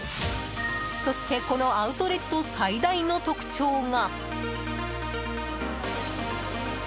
そしてこのアウトレット最大の特徴が。